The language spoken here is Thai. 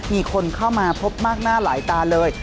มีคนเข้ามาพบมากหน้าหลายตาเลย